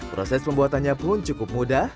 proses pembuatannya pun cukup mudah